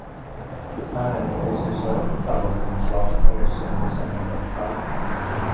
Ääneni ei siis ole epäluottamuslause komission jäsenehdokkaille.